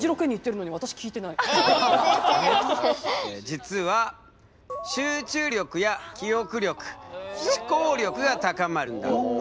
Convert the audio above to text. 実は集中力や記憶力思考力が高まるんだ。